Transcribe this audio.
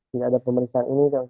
tidak ada pemeriksaan ini